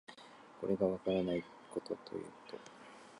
これがわからないことということ